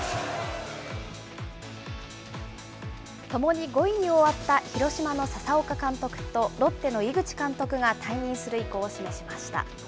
ともに５位に終わった広島の佐々岡監督と、ロッテの井口監督が退任する意向を示しました。